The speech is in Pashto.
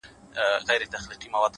يې ه ځكه مو په شعر كي ښكلاگاني دي;